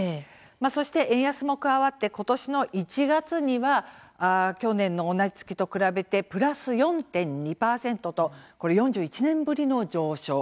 そして円安も加わって今年の１月には去年の同じ月と比べてプラス４．２％と４１年ぶりの上昇。